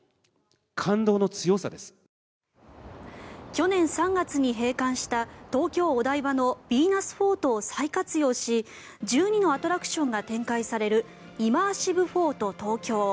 去年３月に閉館した東京・お台場のヴィーナスフォートを再活用し１２のアトラクションが展開されるイマーシブ・フォート東京。